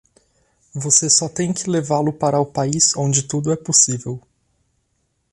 Você só tem que levá-lo para o país onde tudo é possível.